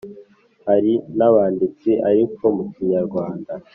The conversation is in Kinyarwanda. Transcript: hari n’abanditse ariko mu kinyarwanda